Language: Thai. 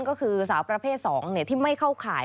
ก็คือสาวประเภท๒ที่ไม่เข้าข่าย